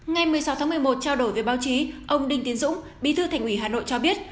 ngày một mươi sáu tháng một mươi một trao đổi với báo chí ông đinh tiến dũng bí thư thành ủy hà nội cho biết